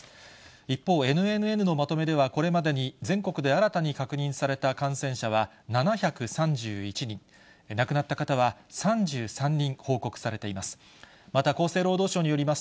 一方、ＮＮＮのまとめでは、これまでに全国で新たに確認された感染者は７３１人、亡くなった方は３３人報告されています。